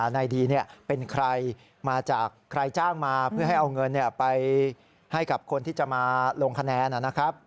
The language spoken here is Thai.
นายดีเป็นใครมาจากใครจ้างมาเพื่อให้เอาเงินไปให้กับคนที่จะมาลงคะแนนนะครับ